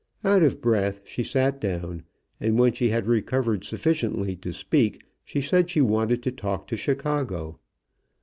Out of breath, she sat down, and when she had recovered sufficiently to speak she said she wanted to talk to Chicago.